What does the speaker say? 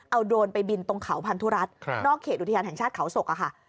เอาโดรนไปบินตรงเขาพันธุรัฐนอกเขตอุทยานแห่งชาติเขาศกอะค่ะ